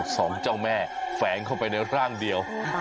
สองเจ้าแม่แฝงเข้าไปในร่างเดียว